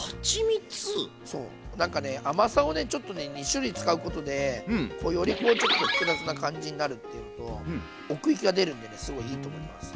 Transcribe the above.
２種類使うことでよりこうちょっと複雑な感じになるっていうのと奥行きが出るんでねすごいいいと思います。